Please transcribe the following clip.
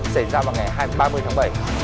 xảy ra vào ngày hai mươi ba mươi tháng bảy